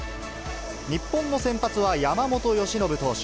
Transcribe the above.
日本の先発は山本由伸投手。